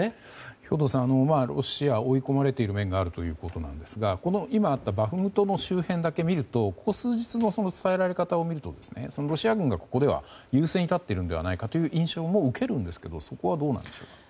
兵頭さん、ロシアは追い込まれている面があるということですが今あったバフムトの周辺だけ見るとここ数日の伝えられ方を見るとロシア軍がここでは優勢に立っているのではないかという印象も受けるんですけどそこはどうなんでしょうか。